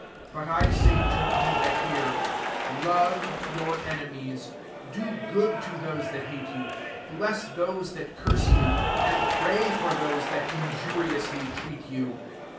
27 " But I say to you that hear ; Love your enemies ; do good to those that hate you, 28 bless those that curse you> and pray for those that injuriously treat you.